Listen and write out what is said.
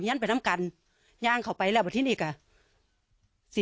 ภรรยาก็บอกว่านายเทวีอ้างว่าไม่จริงนายทองม่วนขโมย